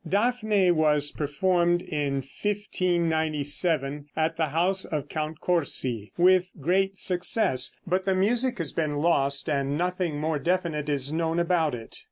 "Dafne" was performed in 1597 at the house of Count Corsi, with great success, but the music has been lost, and nothing more definite is known about it.